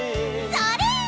それ！